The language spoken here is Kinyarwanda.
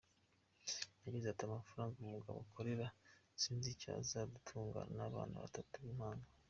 Yagize ati ’’Amafaranga umugabo akorera sinzi ko azadutungana n’abana batatu b’impanga.